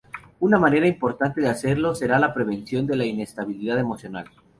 Una manera importante de hacerlo será la prevención de la inestabilidad emocional.